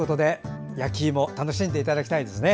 焼きいも楽しんでいただきたいですね。